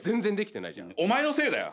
お前のせいだよ。